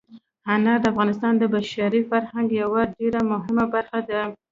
انار د افغانستان د بشري فرهنګ یوه ډېره مهمه برخه ده.